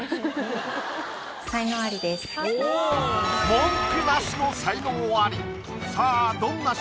文句なしの才能アリ。